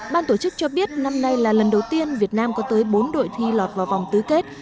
ban tổ chức cho biết năm nay là lần đầu tiên việt nam có tới bốn đội thi lọt vào vòng tứ kết